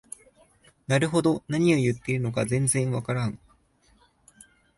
なるほど、何言ってるのか全然わからん